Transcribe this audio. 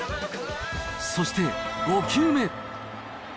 そして５球目。